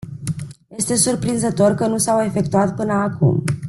Este surprinzător că nu s-au efectuat până acum.